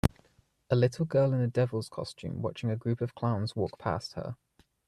A little girl in a devils costume watching a group of clowns walk past her.